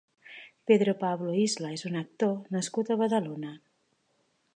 Pedro Pablo Isla és un actor nascut a Badalona.